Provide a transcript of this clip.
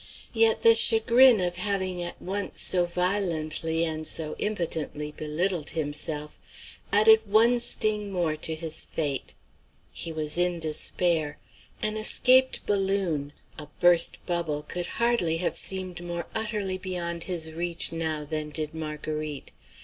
Yet the chagrin of having at once so violently and so impotently belittled himself added one sting more to his fate. He was in despair. An escaped balloon, a burst bubble, could hardly have seemed more utterly beyond his reach than now did Marguerite.